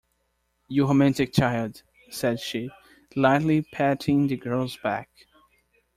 "You romantic child," said she, lightly patting the girl's back.